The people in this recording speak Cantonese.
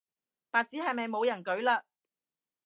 白紙係咪冇人舉嘞